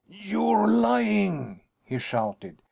"You're lying!" he shouted.